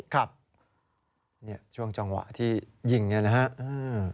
ครับช่วงจังหวะที่ยิงนี่นะครับ